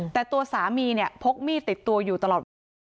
แต่ตัวสามีเนี่ยพกมีดติดตัวอยู่ตลอดเวลา